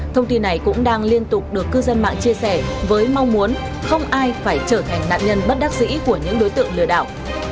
thông tin này cũng đang liên tục được cư dân mạng chia sẻ với mong muốn không ai phải trở thành nạn nhân bất đắc dĩ của những đối tượng lừa đảo